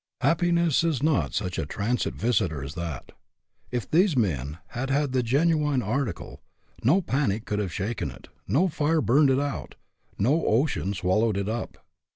Happiness is not such a transient visitor as that. If these men had had the genuine arti cle, no panic could have shaken it, no fire burned it out, no ocean swallowed it up.